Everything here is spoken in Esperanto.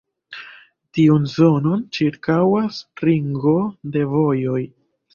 Tiun zonon ĉirkaŭas ringo de vojoj.